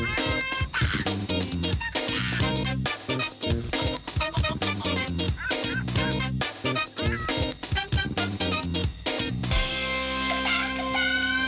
จั๊กจ้า